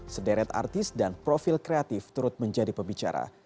sederet artis dan profil kreatif turut menjadi pembicara